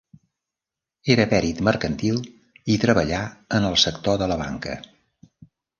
Era perit mercantil i treballà en el sector de la banca.